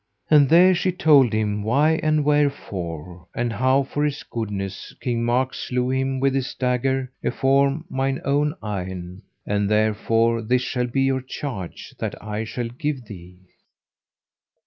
And there she told him why and wherefore, and how for his goodness King Mark slew him with his dagger afore mine own eyen. And therefore this shall be your charge that I shall give thee.